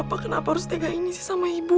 papa kenapa harus tegak ini sih sama ibu